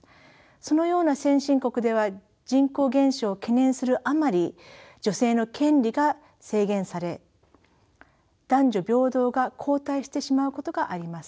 そのような先進国では人口減少を懸念するあまり女性の権利が制限され男女平等が後退してしまうことがあります。